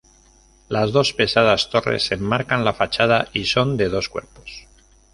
Las dos pesadas torres enmarcan la fachada, y son de dos cuerpos.